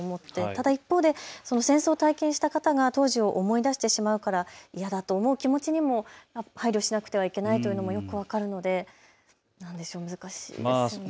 ただ一方で戦争を体験した方が当時を思い出してしまうからいやだと思う気持ちにも配慮しなくてはいけないというのもよく分かるので難しいですね。